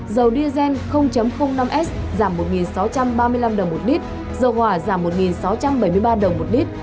dầu diesel năm s giảm một nghìn sáu trăm ba mươi năm đồng một lit dầu hỏa giảm một nghìn sáu trăm bảy mươi ba đồng một lit